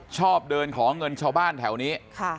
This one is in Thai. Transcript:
ชอบเดินขอเงินชาวบ้านแถวนี้